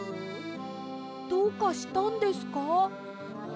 どうかしたんですか？